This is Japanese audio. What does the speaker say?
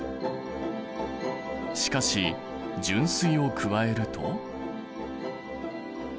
しかし純水を加えると。